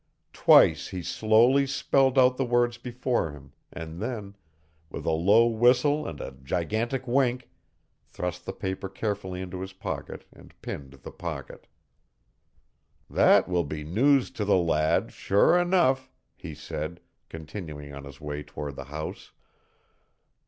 Twice he slowly spelled out the words before him, and then, with a low whistle and a gigantic wink, thrust the paper carefully into his pocket and pinned the pocket. "That will be news to the lad, sure enough," he said, continuing on his way toward the house.